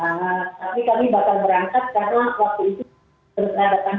tapi kami bakal berangkat karena waktu itu terkena datang